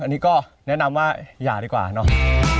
อันนี้ก็แนะนำว่าอย่าดีกว่าเนาะ